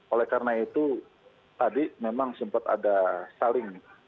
oleh karena itu tadi memang sempat ada saling